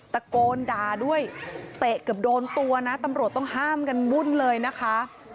ตะโกนด่าด้วยเตะเกือบโดนตัวนะตำรวจต้องห้ามกันวุ่นเลยนะคะ